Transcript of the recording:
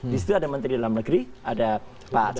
di situ ada menteri dalam negeri ada pak jokowi